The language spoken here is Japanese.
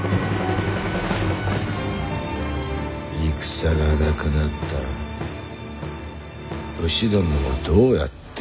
戦がなくなったら武士どもをどうやって食わしていく。